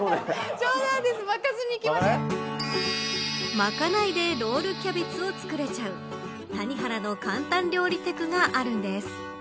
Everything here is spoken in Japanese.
巻かないでロールキャベツを作れちゃう谷原の簡単料理テクがあるんです。